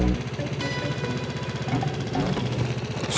apalagi lu tidak bath